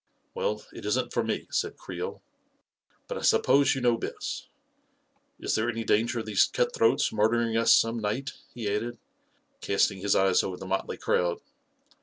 44 Well, it isn't for me," said Creel ; |4 but I sup pose you know best. Is there any danger of these cut throats murdering us some night?" he added, casting his eyes over the motley crowd.